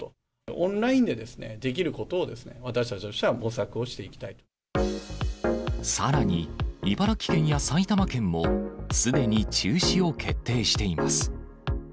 オンラインでできることを、私たちとしては模索をしていきたさらに、茨城県や埼玉県も、すでに中止を決定しています。